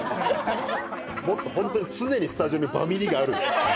もっとホントに常にスタジオにバミリがある。